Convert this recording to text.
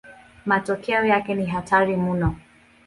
Matokeo yake ni hatari mno.